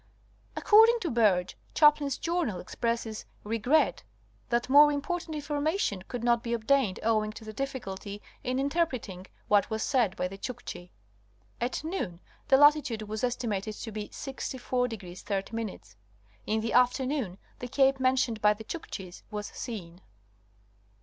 According to Bergh, Chaplin's journal expresses regret that more important information could not be obtained owing to the difficulty in interpreting what was said by the Chukchi. At noon the latitude was estimated to be 64° 30'. In the afternoon the cape mentioned by the Chukchis was seen.